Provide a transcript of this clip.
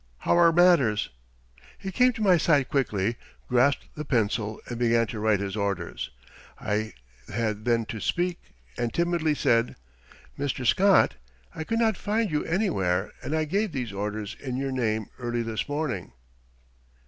How are matters?" He came to my side quickly, grasped his pencil and began to write his orders. I had then to speak, and timidly said: "Mr. Scott, I could not find you anywhere and I gave these orders in your name early this morning."